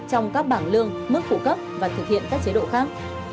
trong các bảng lương mức phụ cấp và thực hiện các chế độ khác